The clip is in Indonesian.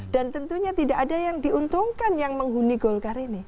dan tentunya tidak ada yang diuntungkan yang menghuni golkar ini